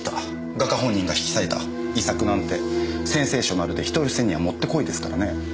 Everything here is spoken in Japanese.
画家本人が引き裂いた遺作なんてセンセーショナルで人寄せにはもってこいですからね。